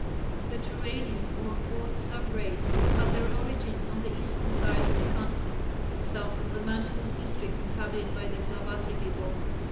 The Turanian or 4th sub race had their origin on the eastern side of the continent, south of the mountainous district inhabited by the Tlavatli people.